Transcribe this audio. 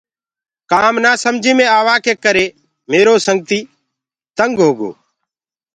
ڪآم نآسمجي مي آوآ ڪي ڪري ميرو دو تينگ هوگو۔